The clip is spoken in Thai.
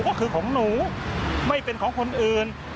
ก็คือของหนูไม่เป็นของคนอื่น